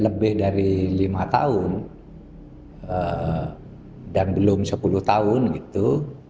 lebih dari lima tahun dan belum sepuluh tahun gitu